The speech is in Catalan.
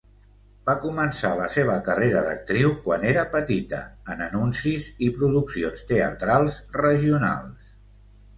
Va començar la seva carrera d'actriu quan era petita en anuncis i produccions teatrals regionals.